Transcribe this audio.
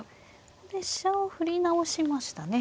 ここで飛車を振り直しましたね。